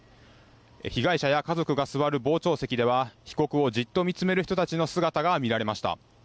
被害者や家族が座る傍聴席では被告をじっと見つめる人たちの姿が見られました。